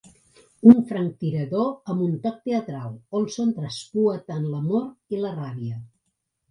Un franctirador amb un toc teatral, Olson traspua tant l'amor i la ràbia.